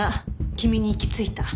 君に行き着いた。